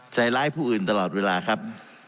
ใจร้ายผู้อื่นตลอดเวลาครับ